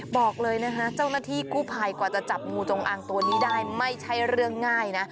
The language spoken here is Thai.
บอกเลยนะคะเจ้าหน้าที่กู้ภัยกว่าจะจับงูจงอางตัวนี้ได้ไม่ใช่เรื่องง่ายนะ